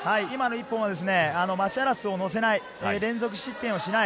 今の１本はマシアラスをのせない、連続失点をしない。